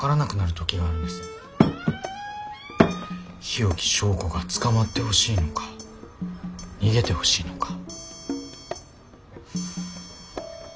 日置昭子が捕まってほしいのか逃げてほしいのか。